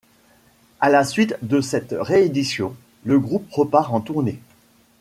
À la suite de cette réédition, le groupe repart en tournée.